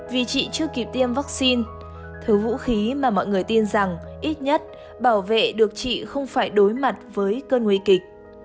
vì chị chưa kịp tiêm vaccine thứ vũ khí mà mọi người tin rằng ít nhất bảo vệ được chị không phải đối mặt với cơn nguy kịch